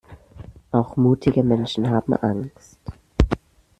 Auch mutige Menschen haben Angst.